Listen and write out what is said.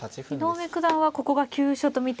井上九段はここが急所と見て。